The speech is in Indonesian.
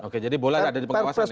oke jadi boleh ada di pengawasan